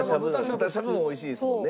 豚しゃぶも美味しいですもんね。